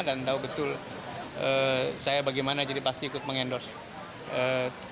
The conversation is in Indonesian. dan tahu betul saya bagaimana jadi pasti ikut mengendorse